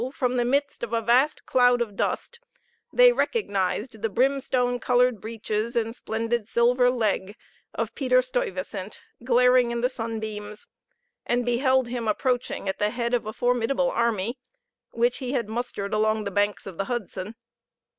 from the midst of a vast cloud of dust, they recognized the brimstone colored breeches and splendid silver leg of Peter Stuyvesant, glaring in the sunbeams; and beheld him approaching at the head of a formidable army, which he had mustered along the banks of the Hudson.